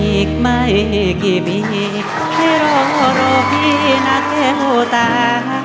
อีกไม่กี่ปีให้รอรอพี่นักแก้วตา